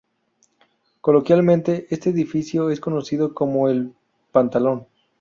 Coloquialmente, este edificio es conocido como "El Pantalón".